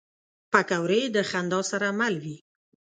پکورې د خندا سره مل وي